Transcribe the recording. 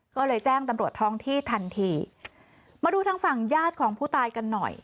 ก็เลยแจ้งตำรวจท้องที่ทันทีมาดูทางฝั่งญาติของผู้ตายกันหน่อย